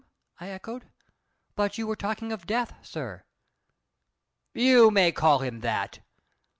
I echoed. "But you were talking of Death, sir." "You may call him that.